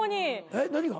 えっ何が？